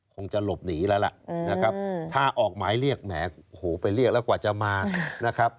คงจะหลบหนีแล้วล่ะนะครับถ้าออกหมายเรียกแหมโหไปเรียกแล้วกว่าจะมานะครับ